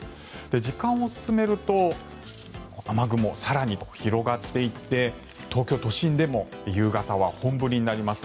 時間を進めると雨雲、更に広がっていって東京都心でも夕方は本降りになります。